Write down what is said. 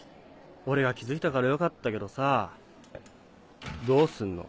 俺が気付いたからよかったけどさぁどうすんの？